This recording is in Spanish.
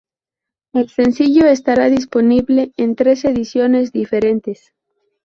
El sencillo estará disponible en tres ediciones diferentes.